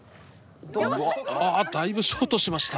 うわっああだいぶショートしました。